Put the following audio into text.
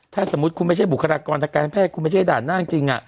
ถ้าสมมุติคุณไม่ใช่บุคลากรทางการแพทย์คุณไม่ใช่ด่านหน้าจริง